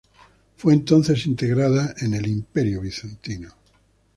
Fue entonces integrada en el Imperio bizantino.